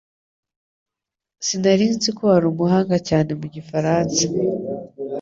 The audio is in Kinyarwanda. Sinari nzi ko wari umuhanga cyane mu gifaransa